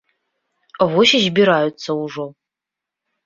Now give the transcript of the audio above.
Вось і збіраюцца ўжо.